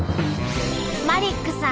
マリックさん